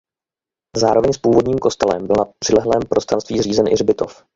Zároveň s původním kostelem byl na přilehlém prostranství zřízen i hřbitov.